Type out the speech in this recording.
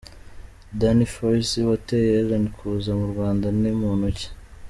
Dian Fossey wateye Ellen kuza mu Rwanda ni muntu ki ?.